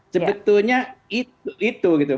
sebetulnya itu gitu